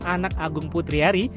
anak agung putriari